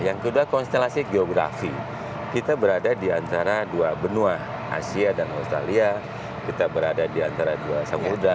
yang kedua konstelasi geografi kita berada di antara dua benua asia dan australia kita berada di antara dua samudera